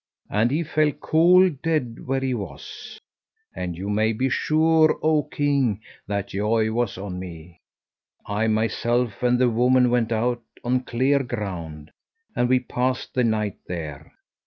And he fell cold dead where he was; and you may be sure, oh king, that joy was on me. I myself and the woman went out on clear ground, and we passed the night there.